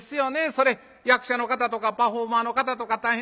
それ役者の方とかパフォーマーの方とか大変。